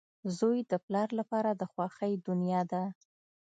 • زوی د پلار لپاره د خوښۍ دنیا ده.